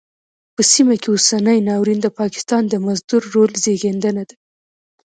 په سیمه کې اوسنی ناورین د پاکستان د مزدور رول زېږنده ده.